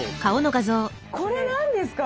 これ何ですか？